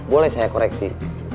boleh saya koreksi